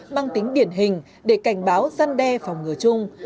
mang tính điển hình để cảnh báo gian đe phòng ngừa chung